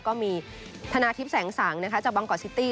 ก็มีธนาทิพย์แสงสังจากบางกอกซิตี้